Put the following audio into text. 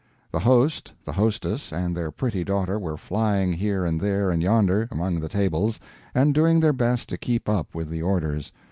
The host, the hostess, and their pretty daughter were flying here and there and yonder among the tables and doing their best to keep up with the orders.